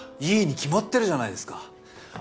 いいに決まってるじゃないですか！